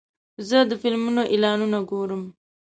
زه د فلمونو اعلانونه ګورم.